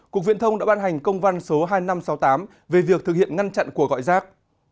cục viễn thông đã ban hành công văn số hai nghìn năm trăm sáu mươi tám về việc thực hiện ngăn chặn cuộc gọi rác